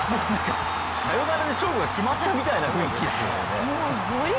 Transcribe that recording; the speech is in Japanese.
サヨナラで勝負が決まったみたいな雰囲気ですよね。